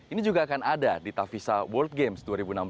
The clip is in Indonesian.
ini juga akan ada di tavisa world games dua ribu enam belas